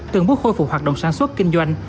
từng bước khôi phục hoạt động sản xuất kinh doanh